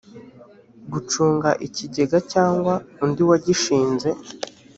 gucunga ikigega cyangwa undi wagishinze